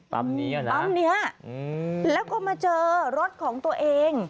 เหรอปั๊มนี้แล้วก็มาเจอรถของตัวเอง